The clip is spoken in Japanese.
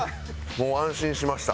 もう安心しました。